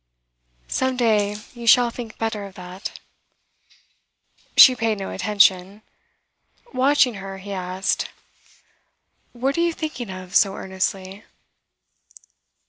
'Some day you shall think better of that.' She paid no attention. Watching her, he asked: 'What are you thinking of so earnestly?